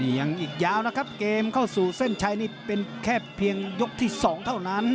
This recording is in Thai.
ยังอีกยาวนะครับเกมเข้าสู่เส้นชัยนี่เป็นแค่เพียงยกที่๒เท่านั้น